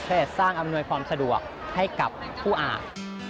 สร้างอำนวยความสะดวกให้กับผู้อ่าน